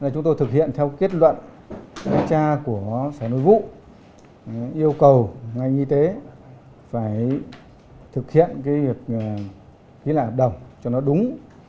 chúng tôi thực hiện theo kết luận đánh tra của sở nội vụ yêu cầu ngành y tế phải thực hiện việc ký lạc đồng cho nó đúng